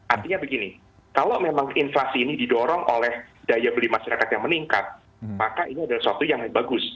artinya begini kalau memang inflasi ini didorong oleh daya beli masyarakat yang meningkat maka ini adalah suatu yang bagus